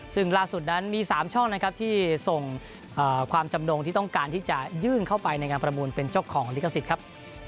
ซึ่งล่าสุดนั้นมี๓ช่องนะครับที่ส่งความจำนงที่ต้องการที่จะยื่นเข้าไปในงานประมูลเป็นเจ้าของลิขสิทธิ์ครับ